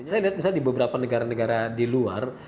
saya lihat misalnya di beberapa negara negara di luar